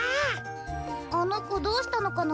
あのこどうしたのかな？